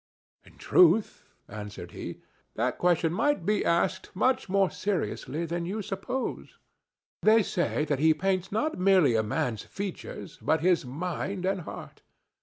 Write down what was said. "In truth," answered he, "that question might be asked much more seriously than you suppose. They say that he paints not merely a man's features, but his mind and heart.